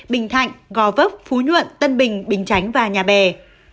bình thạnh gò vấp phú nhuận tân bình bình chánh và nhà bè